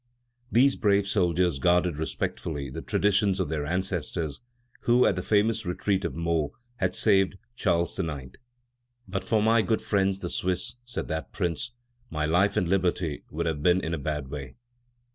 These brave soldiers guarded respectfully the traditions of their ancestors who, at the famous retreat of Meaux, had saved Charles IX. "But for my good friends the Swiss," said that prince, "my life and liberty would have been in a bad way."